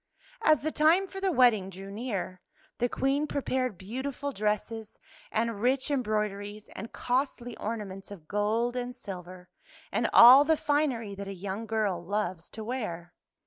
As the time for the wedding drew near, the Queen prepared beautiful dresses and rich embroideries and costly ornaments of gold and silver and all the finery that a young girl loves to wear.